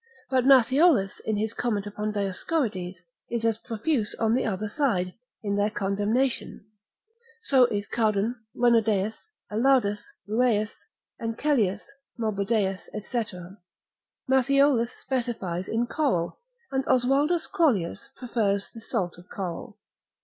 But Matthiolus, in his comment upon Dioscorides, is as profuse on the other side, in their commendation; so is Cardan, Renodeus, Alardus, Rueus, Encelius, Marbodeus, &c. Matthiolus specifies in coral: and Oswaldus Crollius, Basil. Chym. prefers the salt of coral.